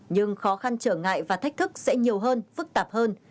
nhưng khó khăn trở ngại và thách thức sẽ nhiều hơn phức tạp hơn